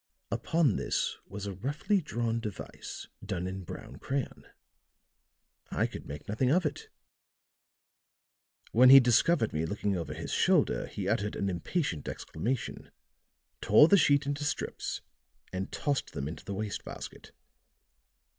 Upon this was a roughly drawn device done in brown crayon. I could make nothing of it. When he discovered me looking over his shoulder he uttered an impatient exclamation, tore the sheet into strips and tossed them into the waste basket.